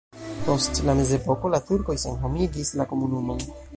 Post la mezepoko la turkoj senhomigis la komunumon.